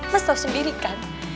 mas tau sendiri kan